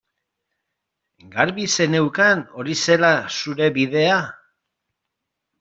Garbi zeneukan hori zela zure bidea?